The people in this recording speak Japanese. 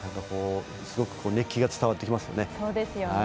すごく熱気が伝わってきます。